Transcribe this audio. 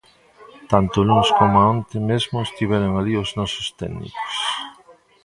Tanto o luns coma onte mesmo estiveron alí os nosos técnicos.